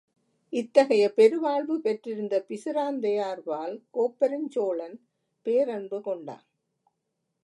இத்தகைய பெருவாழ்வு பெற்றிருந்த பிசிராந்தையார்பால், கோப்பெருஞ் சோழன் பேரன்பு கொண்டான்.